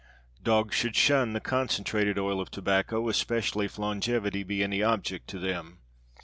Dogs should shun the concentrated oil of tobacco, especially if longevity be any object to them.